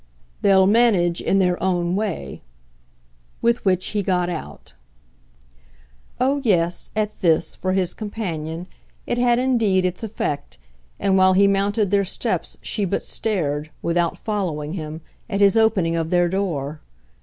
"They'll manage in their own way." With which he got out. Oh yes, at this, for his companion, it had indeed its effect, and while he mounted their steps she but stared, without following him, at his opening of their door.